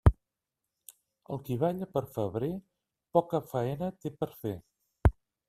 El qui balla pel febrer, poca faena té per fer.